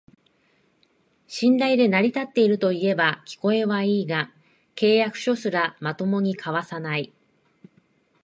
信頼で成り立ってるといえば聞こえはいいが、契約書すらまともに交わさない